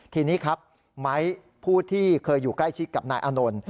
ทีนี้ครับไม้ผู้ที่เคยอยู่ใกล้ชิดกับนายอานนท์